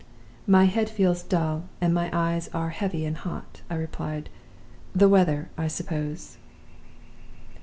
"'My head feels dull, and my eyes are heavy and hot,' I replied. 'The weather, I suppose.